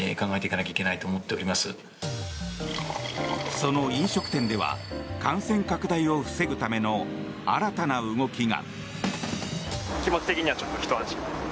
その飲食店では感染拡大を防ぐための新たな動きが。